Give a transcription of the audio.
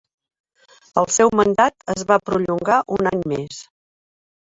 El seu mandat es va perllongar un any més.